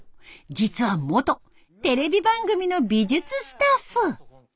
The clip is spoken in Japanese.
実は元テレビ番組の美術スタッフ。